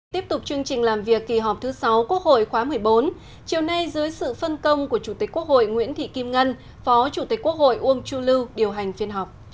tiếp tục chương trình làm việc kỳ họp thứ sáu quốc hội khóa một mươi bốn chiều nay dưới sự phân công của chủ tịch quốc hội nguyễn thị kim ngân phó chủ tịch quốc hội uông chu lưu điều hành phiên họp